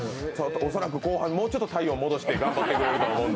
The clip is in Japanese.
恐らく後半、もうちょっと体温戻して頑張ってくれると思うので。